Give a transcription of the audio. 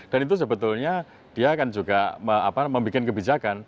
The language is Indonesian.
dan itu sebetulnya dia akan juga membuat kebijakan